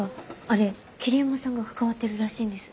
あれ桐山さんが関わってるらしいんです。